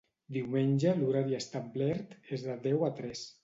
Diumenge l’horari establert és de deu a tres.